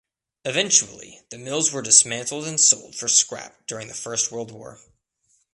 Eventually, the mills were dismantled and sold for scrap during the First World War.